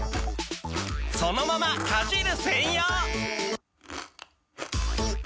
そのままかじる専用！